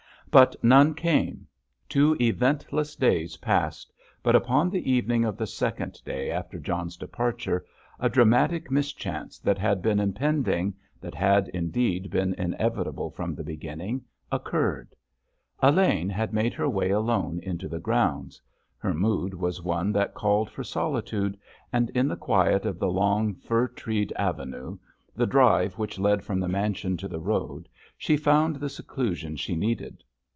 But none came; two eventless days passed. But upon the evening of the second day after John's departure a dramatic mischance that had been impending—that had, indeed, been inevitable from the beginning—occurred. Elaine had made her way alone into the grounds. Her mood was one that called for solitude, and in the quiet of the long, fir treed avenue, the drive which led from the mansion to the road, she found the seclusion she needed.